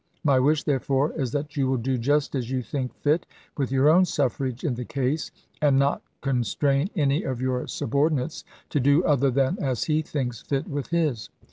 My wish, therefore, is that you will do just as you think fit with your own suffrage in the case, and not constrain any of your subordinates to do other than as he thinks fit with his.